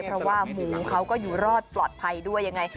เพราะว่าหมูเขาก็อยู่รอดปลอดภัยด้วยยังไง